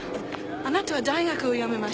あなたは大学を辞めました